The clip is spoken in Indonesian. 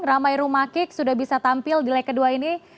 ramai rumakik sudah bisa tampil di lag kedua ini